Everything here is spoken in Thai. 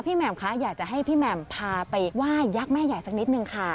แหม่มคะอยากจะให้พี่แหม่มพาไปไหว้ยักษ์แม่ใหญ่สักนิดนึงค่ะ